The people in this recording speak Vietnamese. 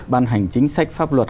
ban hành chính sách pháp luật